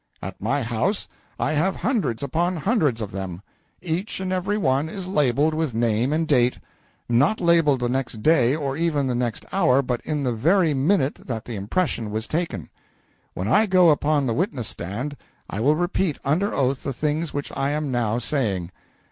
At my house I have hundreds upon hundreds of them. Each and every one is labelled with name and date; not labelled the next day or even the next hour, but in the very minute that the impression was taken. When I go upon the witness stand I will repeat under oath the things which I am now saying.